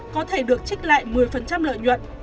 có thể được trích lại một mươi lợi nhuận